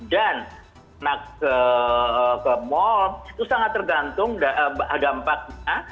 dan ke mall itu sangat tergantung dampaknya